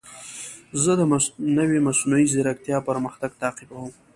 زه د نوې مصنوعي ځیرکتیا پرمختګ تعقیبوم.